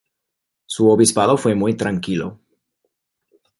Su obispado fue muy tranquilo.